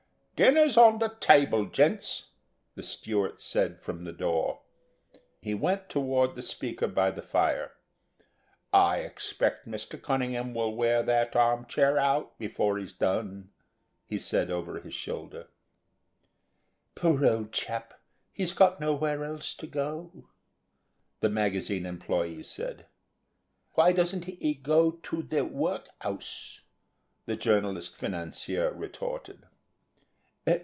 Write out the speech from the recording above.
"Dinner's on the table, gents," the steward said from the door. He went toward the sleeper by the fire. "I expect Mr. Cunningham will wear that arm chair out before he's done," he said over his shoulder. "Poor old chap; he's got nowhere else to go to," the magazine employee said. "Why doesn't he go to the work'ouse," the journalist financier retorted.